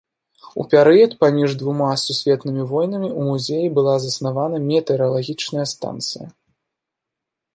У перыяд паміж двума сусветнымі войнамі ў музеі была заснавана метэаралагічная станцыя.